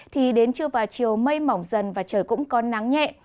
thì đến trưa và chiều mây mỏng dần và trời cũng có nắng nhẹ